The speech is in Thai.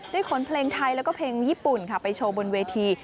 ขนเพลงไทยแล้วก็เพลงญี่ปุ่นค่ะไปโชว์บนเวที